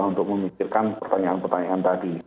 untuk memikirkan pertanyaan pertanyaan tadi